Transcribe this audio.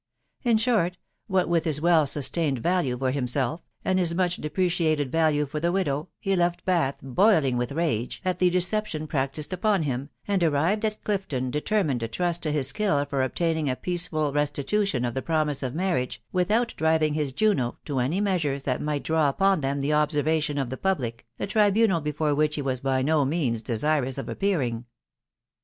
In short, what with Ida well sustained value for hhnsm* and his much depreciated value for the widow, he left Ban) boiling with rage at the deception practised upon him, and arrived at Clifton determined to trust to his tMU for obtaining a peaceable restitution of the promise of marriage, wxtnoat driving his Juno to any measures that might draw upon them die observation of the public, a tribunal before which he was by no means desirous of appearing.